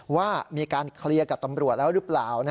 ว่ามีการเคลียร์กับตำรวจแล้วหรือเปล่า